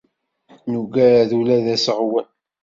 Nuggad ula d aseɣwen.